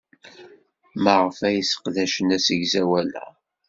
Maɣef ay sseqdacen asegzawal-a?